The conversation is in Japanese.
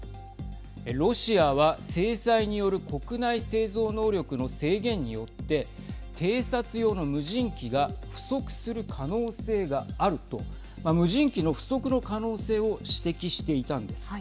ロシアは、制裁による国内製造能力の制限によって偵察用の無人機が不足する可能性がある、と無人機の不足の可能性を指摘していたんです。